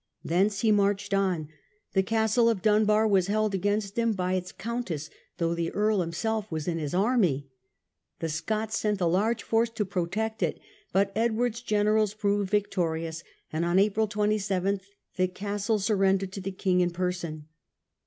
Thence he marched on. The castle of Dunbar was held against him by its countess, though the earl himself was in his army. The Scots sent a large force to protect it, but Edward's generals proved victorious, and on April 27 the castle surrendered to the king in person.